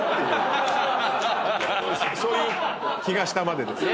そういう気がしたまでです。